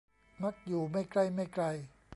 มักอยู่ไม่ใกล้ไม่ไกล